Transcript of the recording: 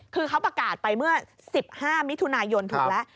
คือเขาประกาศไปเมื่อ๑๕มิถุนายนถูกแล้ว